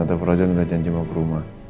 atau frozen udah janji mau ke rumah